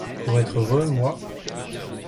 Pour être heureux, moi!